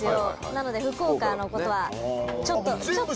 なので福岡のことはちょっとは。